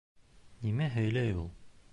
Нимә һөйләй ул?